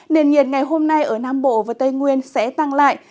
nền nhiệt ngày hôm nay ở nam bộ và tây nguyên sẽ tăng lại